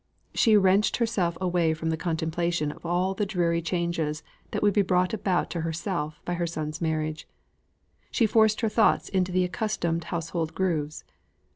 She wrenched herself away from the contemplation of all the dreary changes that would be brought about to herself by her son's marriage; she forced her thoughts into the accustomed household grooves.